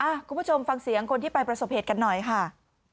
คุณผู้ชมฟังเสียงคนที่ไปประสบเหตุกันหน่อยค่ะ